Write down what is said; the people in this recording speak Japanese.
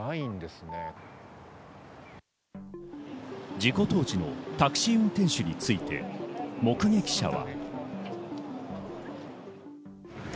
事故当時のタクシー運転手について目撃者は。